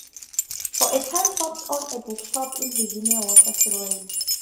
For a time Forbes owned a bookshop in Virginia Water, Surrey.